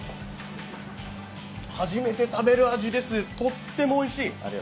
初めて食べる味です、とってもおいしい！